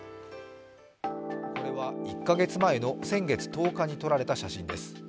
これは１か月前の先月１０日に撮られた写真です。